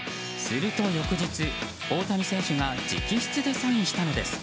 すると翌日、大谷選手が直筆でサインしたのです。